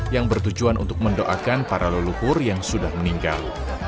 yang bertujuan untuk mendoakan para leluhur yang sudah meninggal